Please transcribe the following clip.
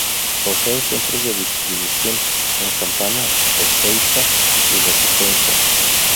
Poseen centros de distribución en Campana, Ezeiza y Resistencia.